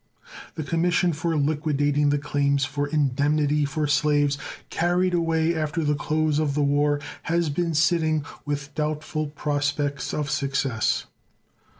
The commission for liquidating the claims for indemnity for slaves carried away after the close of the war has been sitting, with doubtful prospects of success.